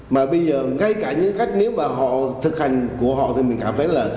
mà bây giờ ngay cả những cách nếu mà họ thực hành của họ thì mình cảm thấy là